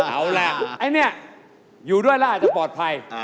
อ๋อเอาละไอเนี่ยอยู่ด้วยละอาจจะปลอดภัย